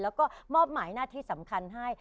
แล้วก็มอบหมายหน้าที่สำคัญให้